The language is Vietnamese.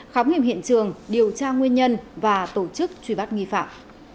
khám nghiệm hiện trường điều tra nguyên nhân và tổ chức truy bắt nghi phạm